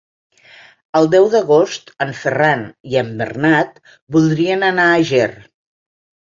El deu d'agost en Ferran i en Bernat voldrien anar a Ger.